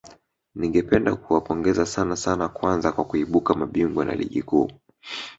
Ningependa kuwapongeza sana sana kwanza kwa kuibuka mabingwa na ligi kuu